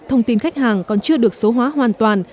thông tin khách hàng còn chưa được số hóa hoàn toàn